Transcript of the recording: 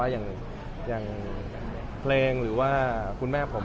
อย่างเพลงหรือว่าคุณแม่ผม